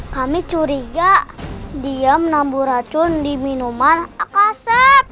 kami curiga dia menambuh racun di minuman aaks